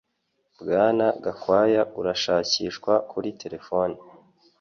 Bwana gakwaya urashakishwa kuri terefone.